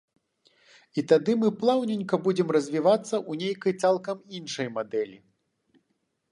І тады мы плаўненька будзем развівацца ў нейкай цалкам іншай мадэлі.